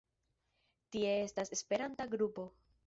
Tie estas esperanta grupo.